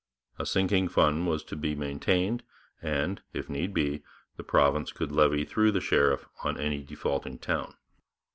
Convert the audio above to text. A sinking fund was to be maintained, and, if need be, the province could levy through the sheriff on any defaulting town.